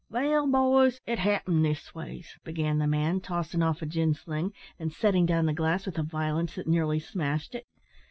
"Wall, boys, it happened this ways," began the man, tossing off a gin sling, and setting down the glass with a violence that nearly smashed it.